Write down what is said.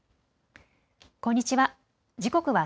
こんにちは。